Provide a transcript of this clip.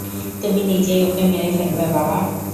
তুমি নিজেই ওকে মেরে ফেলবে বাবা।